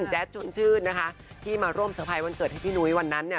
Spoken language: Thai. แดดชนชื่นนะคะที่มาร่วมสะพายวันเกิดให้พี่หนุ๊ยวันนั้นเนี่ย